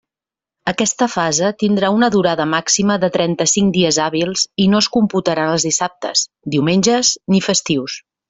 Aquesta fase tindrà una durada màxima de trenta-cinc dies hàbils, i no es computaran els dissabtes, diumenges ni festius.